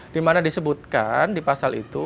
dimana disebutkan di pasal itu